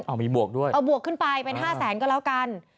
เอามีบวกด้วยเอาบวกขึ้นไปเป็นห้าแสนก็แล้วกัน